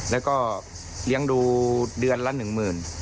แล้วก็เลี้ยงดูเดือนละหนึ่งหมื่น